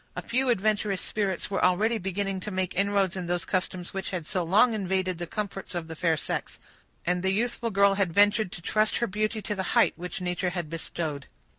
A few adventurous spirits were already beginning to make inroads in those customs which had so long invaded the comforts of the fair sex; and the youthful girl had ventured to trust her beauty to the height which nature had bestowed.